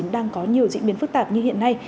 đang có nhiều diễn biến phức tạp như hiện nay